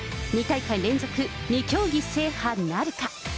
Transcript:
２大会連続、２競技制覇なるか。